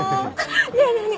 ねえねえねえ！